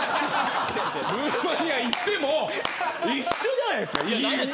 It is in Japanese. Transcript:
ルーマニアに行っても一緒じゃないですかイギリスと。